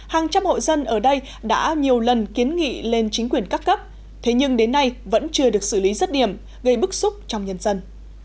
hàng trăm hộ dân ở đây đã nhiều lần kiến nghị lên chính quyền các cấp thế nhưng đến nay vẫn chưa được xử lý rất điểm gây bức xúc trong nhân dân